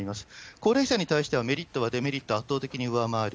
高齢者に対してはメリットがデメリットを圧倒的に上回る。